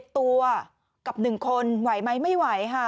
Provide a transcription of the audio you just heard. ตัวกับ๑คนไหวไหมไม่ไหวค่ะ